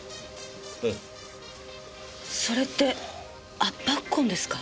それって圧迫痕ですか？